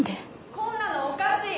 こんなのおかしい！